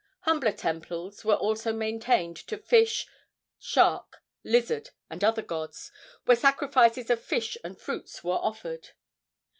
Humbler temples were also maintained to fish, shark, lizard and other gods, where sacrifices of fish and fruits were offered.